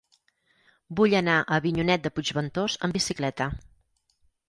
Vull anar a Avinyonet de Puigventós amb bicicleta.